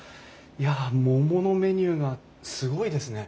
いや桃のメニューがすごいですね。